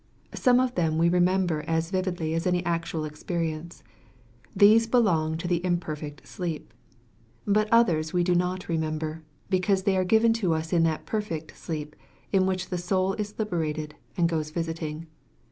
Some of them we remember as vividly as any actual experience. These belong to the imper fect sleep. But others we do not remember, be cause they are given to us in that perfect sleep in which the soul is liberated, and goes visiting.